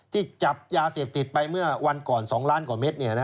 ที่จับยาเสพติดไปเมื่อวันก่อน๒ล้านกว่าเม็ด